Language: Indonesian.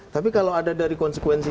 tapi kalau ada dari konsekuensi